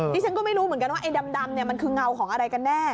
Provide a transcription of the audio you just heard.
ฉันก็ไม่รู้เหมือนกันว่าไอ้ดำเนี่ยมันคือเงาของอะไรกันแน่